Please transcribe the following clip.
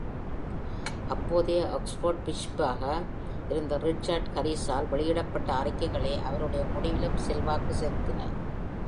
அப்போதைய ஆக்ஸ்போர்டு பிஷப்பாக இருந்த ரிச்சர்ட் ஹாரிஸால் வெளியிடப்பட்ட அறிக்கைகளே அவருடைய முடிவிலும் செல்வாக்கு செலுத்தின.